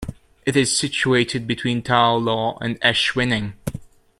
It is situated between Tow Law and Esh Winning.